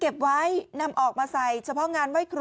โอ้ยโอ้ยโอ้ยโอ้ยโอ้ยโอ้ย